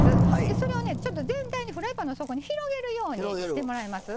それを全体にフライパンの底に広げるようにしてもらえます？